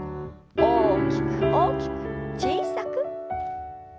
大きく大きく小さく。